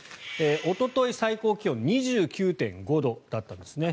おととい最高気温２９．５度だったんですね。